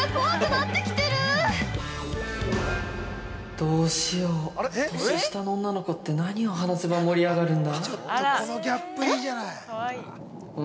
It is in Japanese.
（どうしよう年下の女の子って何を話せば盛り上がるんだ。）